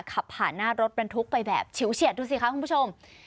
ขับผ่านหน้ารถบรรทุกไปแบบฉิวเฉียดดูสิคะคุณผู้ชม